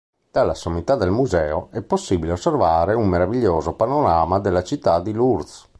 Dalla sommità del museo è possibile osservare un meraviglioso panorama della città di Lourdes.